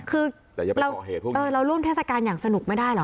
คือแต่อย่าไปต่อเหตุพวกนี้เอ่อเราร่วมเทศกาลอย่างสนุกไม่ได้เหรอ